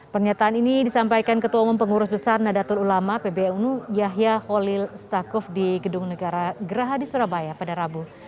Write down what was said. pernyataan ini disampaikan ketua umum pengurus besar nadatul ulama pbnu yahya holil stakuf di gedung negara geraha di surabaya pada rabu